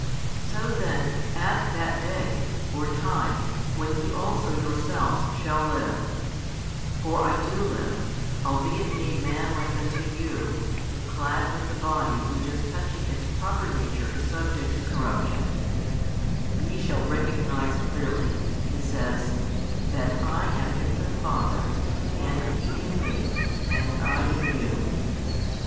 So then at that day, or time, when ye also yourselves shall live for I do live, albeit made man like unto you, and clad with the body which as touching its proper nature is subject to corruption ye shall recognise clearly, He says, that I am in the Father, and ye in Me, and I in you.